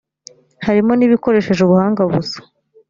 harimo n’ibikoresheje ubuhanga busa